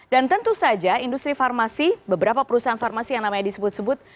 dan tentu saja industri farmasi beberapa perusahaan farmasi yang namanya disebut sebut